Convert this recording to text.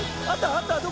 あった？